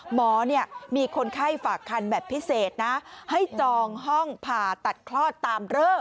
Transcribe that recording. หมอมีคนไข้ฝากคันแบบพิเศษนะให้จองห้องผ่าตัดคลอดตามเรอ